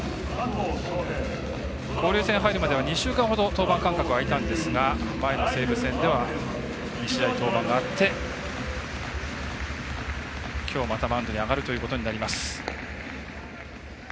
交流戦入るまでは２週間ほど登板間隔が空いたんですが前の西武戦では登板があってきょう、またマウンドに上がるということになります。